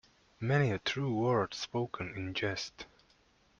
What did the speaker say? Many a true word spoken in jest.